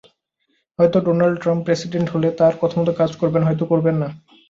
হয়তো Donald Trump president হলে তাঁর কথামতো কাজ করবেন, হয়তো করবেন না।